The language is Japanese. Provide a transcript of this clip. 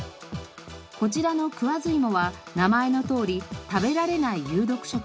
こちらのクワズイモは名前のとおり食べられない有毒植物。